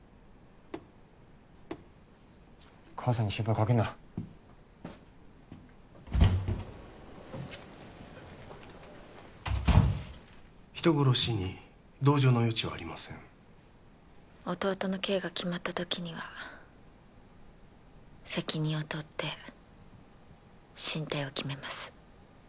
母さんに心配かけんな人殺しに同情の余地はありません弟の刑が決まった時には責任を取って進退を決めます